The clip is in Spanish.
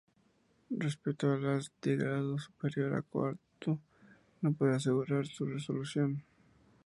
Respecto a las de grado superior al cuarto, no puede asegurar su resolución.